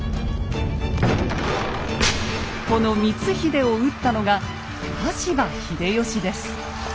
この光秀を討ったのが羽柴秀吉です。